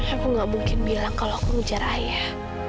aku tidak mungkin bilang kalau aku menjara ayah